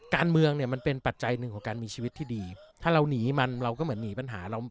การเมืองเนี่ยมันเป็นปัจจัยหนึ่งของการมีชีวิตที่ดีถ้าเราหนีมันเราก็เหมือนหนีปัญหาเรา